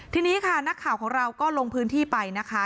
ทีนี้ค่ะนักข่าวของเราก็ลงพื้นที่ไปนะคะ